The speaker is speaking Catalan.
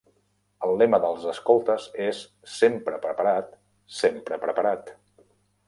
El lema dels escoltes és "Sempre preparat", "Sempre preparat".